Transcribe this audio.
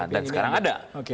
dan sekarang ada